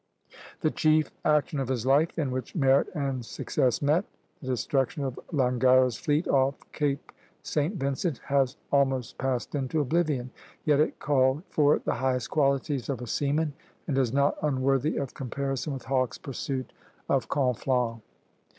The chief action of his life in which merit and success met, the destruction of Langara's fleet off Cape St. Vincent, has almost passed into oblivion; yet it called for the highest qualities of a seaman, and is not unworthy of comparison with Hawke's pursuit of Conflans.